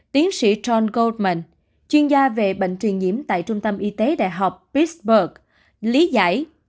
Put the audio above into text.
tiến sĩ john goldman chuyên gia về bệnh truyền nhiễm tại trung tâm y tế đại học pisburg lý giải